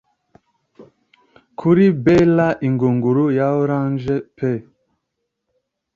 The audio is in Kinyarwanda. kuri bailer ingunguru ya orange pe